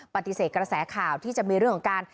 ปฏิเสธกระแสข่าวที่จะมีเรื่องของการ